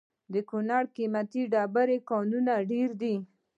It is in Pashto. د کونړ د قیمتي ډبرو کانونه ډیر دي؟